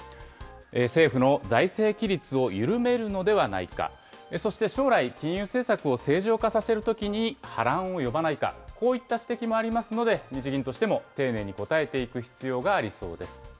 政府の財政規律を緩めるのではないか、そして将来、金融政策を正常化させるときに波乱を呼ばないか、こういった指摘もありますので、日銀としても丁寧に答えていく必要がありそうです。